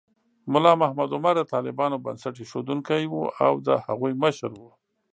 ملا محمد عمر د طالبانو بنسټ ایښودونکی و او د هغوی مشر و.